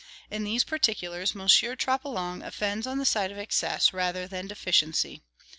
In these particulars, M. Troplong offends on the side of excess rather than deficiency.